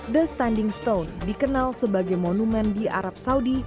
the standing stone dikenal sebagai monumen di arab saudi